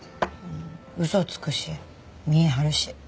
嘘つくし見え張るし。